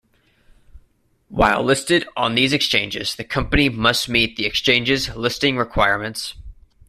While listed on these exchanges, the company must meet the exchange's listing requirements.